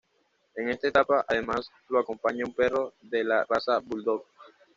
En esta etapa, además, lo acompaña un perro de la raza bulldog.